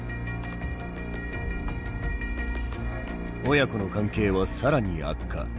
親子の関係は更に悪化。